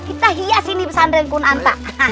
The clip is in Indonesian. kita hias ini pesantren kunanta